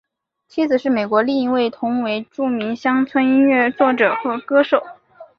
妻子是美国另一位同为著名乡村音乐作者和歌手。